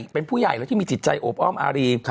เป็นผู้ใหญ่แล้วที่มีจิตใจโอบอ้อมอารี